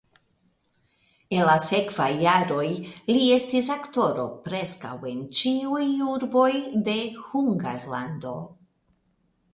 En la sekvaj jaroj li estis aktoro preskaŭ en ĉiuj urboj de Hungarlando.